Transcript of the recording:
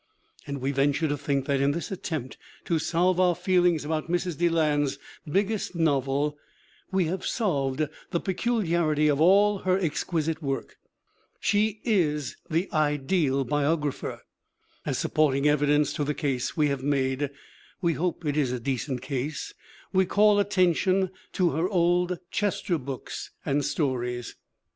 And we venture to think that in this attempt to solve our feeling about Mrs. Deland's biggest novel we have solved the peculiarity of all her exquisite work. She is the ideal biographer. As supporting evidence to the case we have made (we hope it is a decent case) we call attention to her Old Chester books and stories.